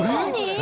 何？